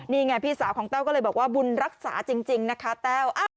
นี่ไงพี่สาวของแต้วก็เลยบอกว่าบุญรักษาจริงนะคะแต้ว